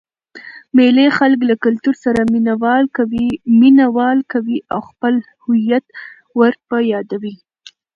مېلې خلک له کلتور سره مینه وال کوي او خپل هويت ور په يادوي.